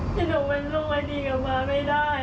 ที่หนูเป็นลูกอดีตกลับมาไม่ได้